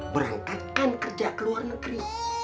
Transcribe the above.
berangkatkan kerja ke luar negeri